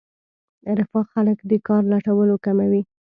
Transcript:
رفاه خلک د کار لټولو کموي.